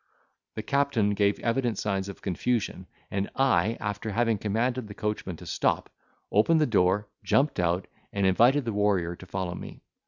The captain gave evident signs of confusion: and I, after having commanded the coachman to stop, opened the door, jumped out, and invited the warrior to follow me.